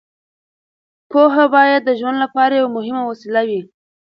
پوهه باید د ژوند لپاره یوه مهمه وسیله وي.